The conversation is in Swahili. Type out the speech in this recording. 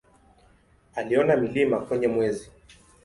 Aliona milima kwenye Mwezi.